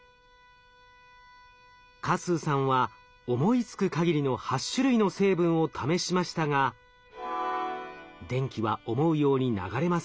嘉数さんは思いつくかぎりの８種類の成分を試しましたが電気は思うように流れません。